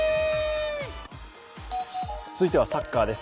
続いてサッカーです。